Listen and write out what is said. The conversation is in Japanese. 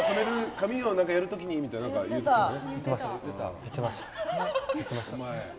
髪をやる時にみたいな言ってたよね。